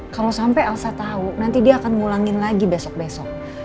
kalau sampai elsa tahu nanti dia akan ngulangin lagi besok besok